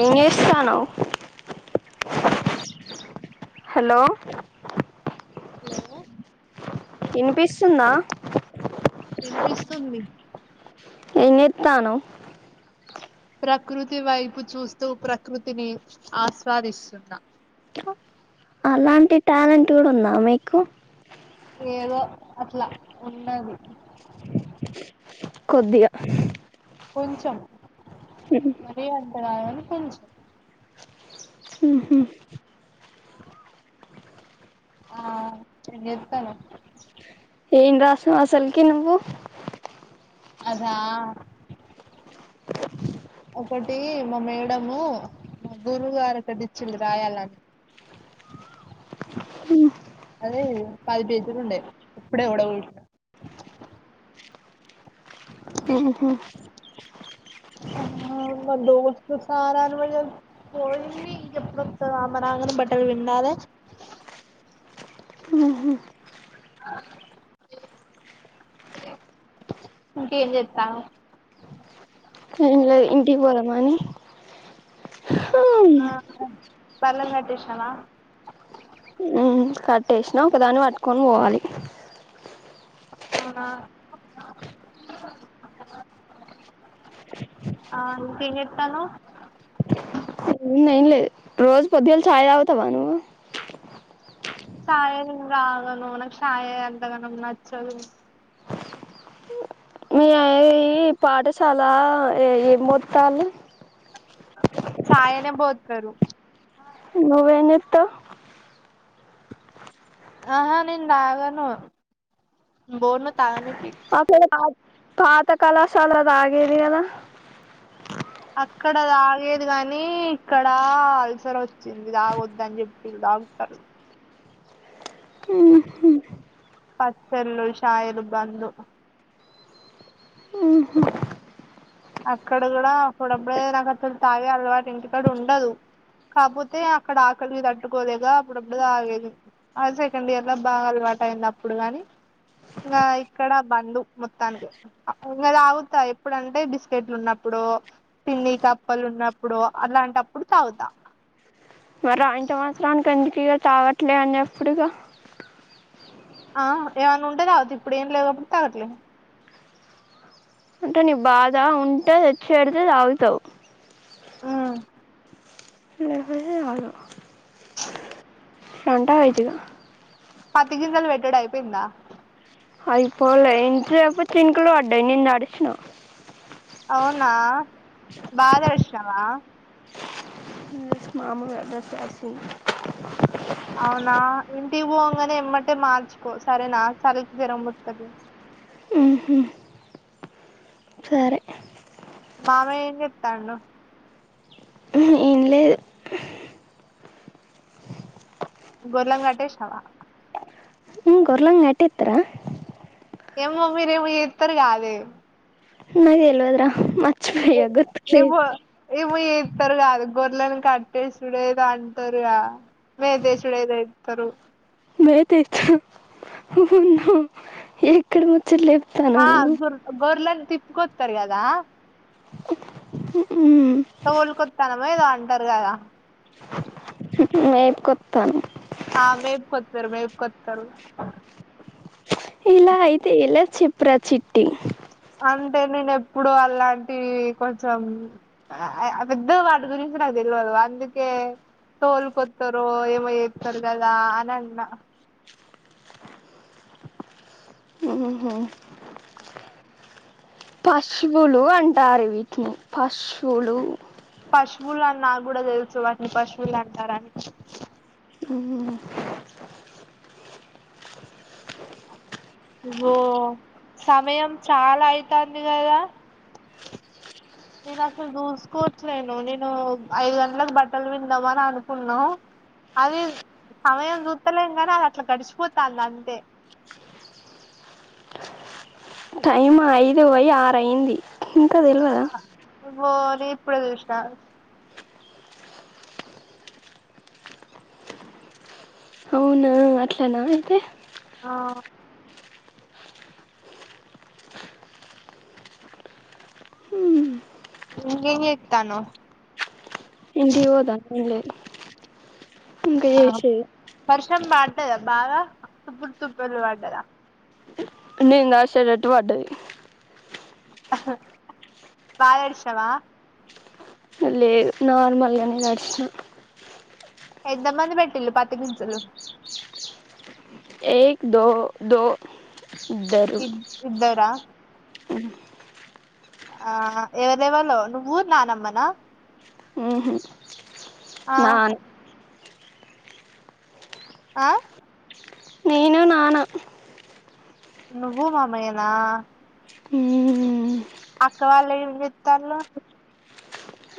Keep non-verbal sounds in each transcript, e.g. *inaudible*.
ఏం జేస్తాన్నావ్ ఉ hello! Hello వినిపిస్తుందా. వినిపిస్తుంది. ఏం జేత్తాన్నావ్ ప్రకృతి వైపు చూస్తూ ప్రకృతిని ఆస్వాదిస్తున్నా. అలాంటి టాలెంట్ కూడా ఉందా మీకు. ఏదో అట్ల ఉంటది కొద్దిగా కొంచం మ్మ్ మరీ అంత కాదు కానీ కొంచెం. మ్మ్ హ్మ్ ఆ ఏం జేత్తాన్నావ్ ఏం రాసినావ్ అసలికి నువ్వు అదా ఒకటి మా మేడము మా గురువు గారు కి ఒకటిచ్చింది రాయాలని అదే పది పేజీలు ఉండే ఇప్పుడే ఓడగొట్టిన ఓహో మా దోస్త్ సార్ *inaudible* పోయింది ఇంక ఎప్పుడు ఒత్తాదో అమ్మ రాగానే బట్టలు పిండాలే మ్మ్ హ్మ్ ఇంకా ఏం చేత్తాన్నావ్ డే ఇంటికి పోదామని *inaudible* బర్లని కట్టేసినవా మ్మ్ కట్టేసినా ఒకదాన్ని పట్టుకొని పోవాలి ఆహా ఆ అంటే ఏం చేత్తన్నవ్ ఉన్నాయి లే రోజు పొద్దుగాల చాయ్ తాగుతావా నువ్వు తాగేకి రాదు కదా నాకు చాయ్ ఎంతగానో నచ్చదు మీ పాఠశాల ఏం బొత్తారు చాయనే బోత్తారు నువ్వు ఏం చేత్తావ్ అహ నేను తాగాను బోను తాగనీకి ఆ *unintelligible* పాత కళాశాలో తాగేదిగదా అక్కడ తాగేది కాని ఇక్కడ అల్సర్ వచ్చింది తాగొద్దని చెప్పింది డాక్టర్ మ్మ్ హ్మ్ పచ్చడ్లు ఛాయలు బందు అక్కడ గూడా అప్పుడప్పుడే నాకు అసలు తాగే అలవాటే ఇంటికాడ ఉండదు కాకపోతే అక్కడ ఆకలికి తట్టుకోలేక అప్పుడప్పుడు తాగేది ఆ సెకండ్ ఇయర్ లో బాగా అలవాటు అయింది అప్పుడు గాని ఇంకా ఇక్కడ బందు మొత్తానికి అప్పుడు ఇంకా తాగుతా ఎప్పుడుంటే బిస్ కెట్లు ఉన్నప్పుడో తిన్నికి అప్పలు ఉన్నప్పుడో అలాంటప్పుడు తాగుతా మరి అంతమాత్రనికి ఎందుకు ఇగ తాగట్లే అని చెప్పుడు ఇగ ఆ ఏమన్నా ఉంటే తాగుతా, ఇప్పుడు ఏం లేవు కాబట్టి తగట్లేదు. అంటే నీ బాధ ఉంటే తెచ్చిపెడితే తాగుతవు. ఉమ్ లేకపోతే తాగవు స *unintelligible* రంట వైటగా పత్తి గింజలు పెట్టుడు అయిపోయిందా? అయిపోలే ఇంతసేపు చినుకులు పడ్డయి నేను తడిచిన అవునా బా తడిషినవా? మామలుగా డ్రెస్ తడిసింది. అవునా ఇంటి పోంగనే ఎమ్మట్టే మార్చుకో సరేనా, సలికి జ్వరం వస్తది. ఉహు సరే మామయ్య ఏం చె చెప్తాండు? ఉహు ఏం లేదు. గోర్లంగట్టేష్నవా? గొర్లంగట్టేతరా? ఏమో మీరేమో చేత్తరు కాదే నాకు తెలవదు రా, ఏ మర్చిపోయా ఏమో గుర్తుకులేద్ ఏమో చేస్తరు కాదు, గోర్లని కట్టేసిడేదో అంటరుగా మీ దేశుడేదో ఏత్తరు. బ తెచ్చ ఎక్కడ ముచ్చట్లే ఆ గొర్ గొర్లని తిప్పుకొత్తరు కదా. ఉమ్ తోల్కొత్తానమో ఏదో అంటరు గదా. మేపుకొత్తాను ఆ మేపుకొత్తరు మేపుకొత్తరు ఇలా అయితే ఎలా చెప్రా చిట్టి? అంటే నేను ఎప్పుడు అలాంటి కొంచెం ఆ అ అబద్ధం వాటి గురించి నాకు తెలవది అందుకే తోల్ కొత్తరో ఏమో చేత్తరు గదా అనన్నా. ఓహో పశువులు అంటారు వీటిని, పశువులు పశువులు అని నాకు గుడ తెలుసు, వాటిని పశువులు అంటారని. ఉమ్ ఓ సమయం చాలా అయితాంది గదా. నేను అసలు చూసుకోవట్లేను, నేను ఐదు గంటలకు బట్టలు పిండదాం అని అనుకున్నం. అది సమయం చూత్తలేము కని అది అట్లా గడిచిపోతాంది అంతే. టైం ఐదు పోయి ఆరు అయింది ఇంకా తెల్వద? ఓని ఇప్పుడే చూసిన. అవును అట్లనా అయితే. ఆ ఉమ్. ఇంకేం చేత్తానవ్? ఇంటివోత లేదు ఇంక ఆ చేశేది. వర్షం పడ్డదా బాగా, తుప్పులు తుప్పుర్లు పడ్డదా? అది నాసైడటు పడ్డది హ్ బాగ తడిచినవా లేదు నార్మల్గానే తడ్చినా ఎంత మంది పెట్టిళ్ళు పత్తి గింజలు ఏక్ దో దో ఇద్దరు ఇద్ ఇద్దరా అ ఆ ఎవరెవలో నువ్వు నానమ్మనా ఆ నాన ఆ నేను నాన నువ్వు మామయ్య నా ఉమ్. అక్క వాళ్ళు ఏం జెత్తాళ్ళు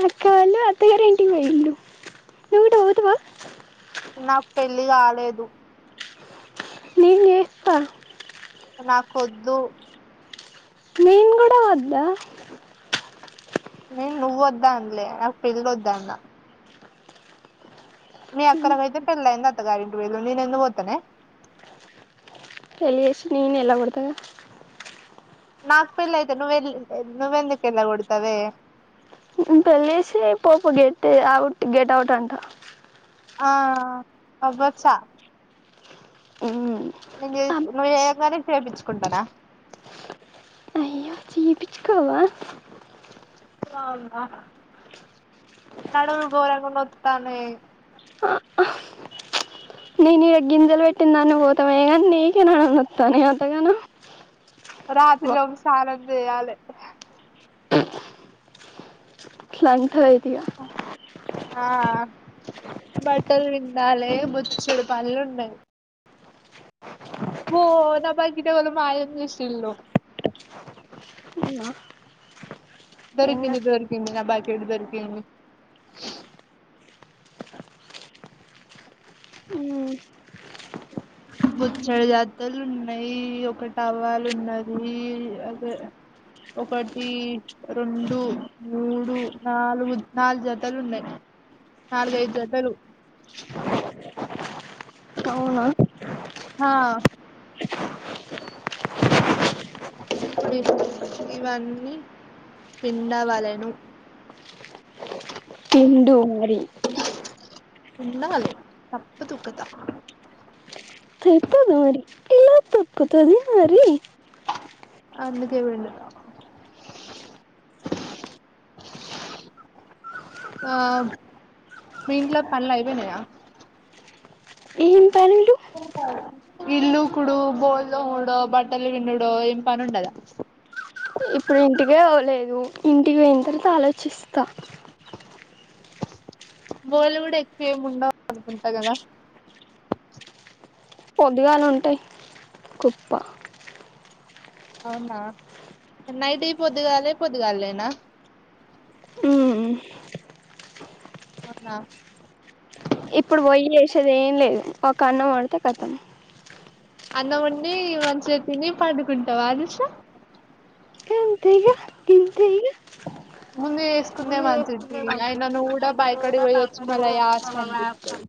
అక్క వాళ్ళు అత్తగారింటికి పోయిల్లు నువు కూడా పోతవా నాకు పెళ్లి గాలేదు నేన్ జేస్తా నాకొద్దు నేన్ కూడా వ వోద్ద నేన్ నువొద్దు అనలే నాకు పెళ్లి వద్దు అన్న మీ అక్కలకయితే పెళ్ళి అయింది అత్త గారింటికి బొయిళ్ళు నేను ఎందుకు పోతానే పెళ్లి జేసి నేను ఎల్లగొడతాగ నాక్ పెళ్ళయితే, నువ్వెల్ నువ్వెందుకెళ్ల కొడతవే పెళ్లేజేసి పో పో గెట్ అవుట్ గెట్ అవుట్ అంట. ఆ అబ్బ చా ఉ నేను చే నువ్వు ఏయంగానే చేపించుకుంటనా చెపిచ్ కోవా అవునా నడుములు గోరంగానొతనయి ఆఆ హ్ గింజలు పెట్టిందాన్ని పోతమాయే గాని నీకే నడుములు నొత్తనయా అంత గానం రాత్రి లోపు సానం చేయాలే ఫ్లాంటరైదియా *unintelligible* ఆహ్ బట్టలు పిండాలె బొచ్చెడు పనులు ఉన్నాయి. ఓ నా బకిట్ ఎవలో మాయం జేసిల్లు హ్ దొరికింది దొరికింది నా బకెట్ దొరికింది. ఊ బొచ్చెడు జతలు ఉన్నాయి ఒక టవలు ఉన్నది అదే ఒకటీ రెండు మూడు నాలుగు నాలుగు జతలు ఉన్నాయి. నాలుగైదు జతలు అవునా హా ఇవన్నీ పిండవలెను పిండు మరీ పిండాలే తప్పదు కదా. తప్పదు మరి ఎలా తప్పుతది మరి. అందుకే పిండుతనా ఆ మీ ఇంట్ల పనులు అయిపోయినయా. ఏం పనులు? ఇల్లూకుడు, బొల్లుతోముడో, బట్టలు పిండుడో ఏం పని ఉండదా. నేను ఇంటికే పోలేదు, ఇంటికి పోయిన తర్వాత ఆలోచిస్తా. బోల్లు కూడ ఎక్కువ ఏముండవు అనుకుంటా కదా. పొద్దుగాల ఉంటయి కుప్ప. అవునా నైటుయి పొద్దుగాలే, పొద్దుగాల్లేనా. హ్మ్ అవునా ఇప్పుడు పోయ్యి జేసేది ఏం లేదు, ఒక అన్నం వండితే కతం. అన్నం వండి మంచిగా తిని పండుకుంటవా అనూషా. అంతేగా ఇంతేగా ముందే చేస్కుందే మంచిది. అయిన నువ్వు కూడా బాయి కాడికి పోయి వచ్చి మళ్ళ యాష్ట అనిపిత్తది.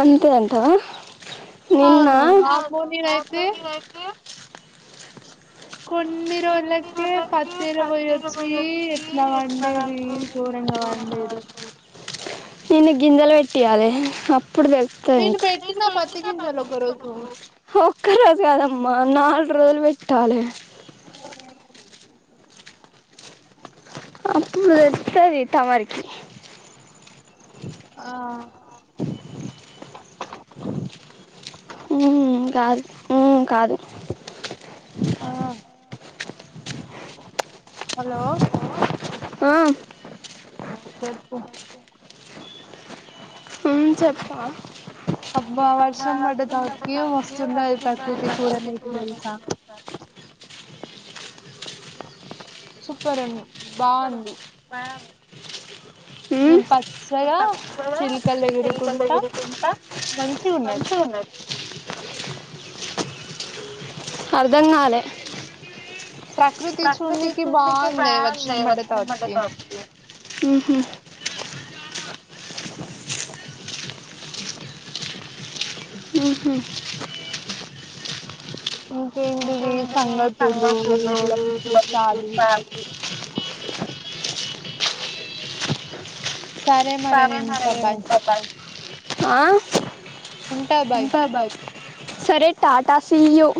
అంతే అంటవా. అవును మాకు మున్నీరైతే కొన్ని రోజులకే పత్తేరపోయ్ వచ్చి ఎట్లా వండేది. గోరంగా వండేది. నిన్ను గింజెలు పెట్టియాలె అప్పుడు తెల్ నేను పెట్టిన పత్తి గింజలు ఒక రోజు. ఒక్క రోజు కాదమ్మా నాలుగు రోజులు పెట్టాలె. అప్పుడు తెల్తది తమరికి. ఆ హ్మ్ కాదు, హ్మ్ కాదు. ఆ హలో ఆ ఆ చెప్పు హ్మ్ చెప్పా అబ్బా అట్లా వర్షం పడ్డ తర్వాతకి మస్తుండది ప్రకృతి చూడనీకి తెలుసా *inaudible* సూపర్ ఉం బావుంది. మామ్ నేను పచ్చగా చిల్కల దగ్గర చిలుకల దగ్గర తింటా మంచి అర్ధంకాలే ప్రకృతి చూడనికి కిందికే బాగుంది వర్షం బాగున్నయి పడ్డ మొత్తం తర్వాతకి వడపప్పే. ఉహ్ ఇంకేంటిది? సంగతులు ఇట్లా విశేషాలు. సరే మరి ఇంక బాయ్. ఆ ఉంటా బాయ్ సరే టాటా సియ్యూ